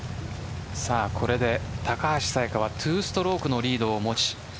これで高橋彩華は２ストロークのリードを持ち